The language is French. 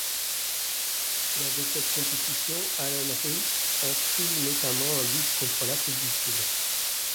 Lors de cette compétition, Alan Ruiz inscrit notamment un but contre l'Afrique du Sud.